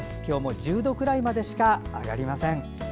今日も１０度くらいまでしか上がりません。